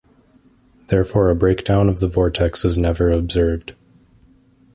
Therefore a breakdown of the vortex is never observed.